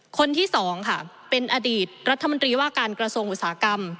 คนที่สองค่ะเป็นอดีตรัฐมนตรีว่าการกระทรวงอุตสาหกรรม